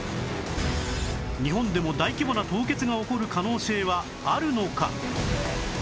日本でも大規模な凍結が起こる可能性はあるのか？